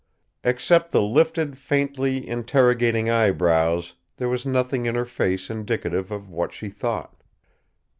Except the lifted, faintly interrogating eyebrows, there was nothing in her face indicative of what she thought.